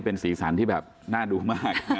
เป็นสีสันที่แบบน่าดูมาก